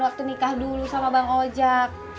waktu nikah dulu sama bang ojek